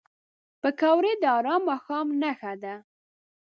پکورې د ارام ماښام نښه ده